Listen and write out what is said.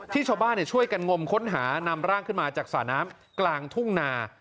ชาวบ้านช่วยกันงมค้นหานำร่างขึ้นมาจากสระน้ำกลางทุ่งนา